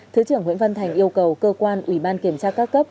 thứ trưởng nguyễn văn thành yêu cầu cơ quan ủy ban kiểm tra các cấp